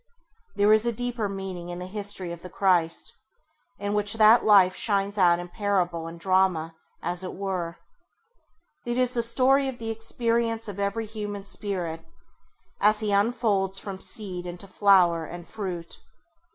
There is a deeper meaning in the history of the Christ, in which that life shines out in parable and drama, as it were. It is the story of the experience of every human Spirit, as he unfolds from seed into flower and fruit.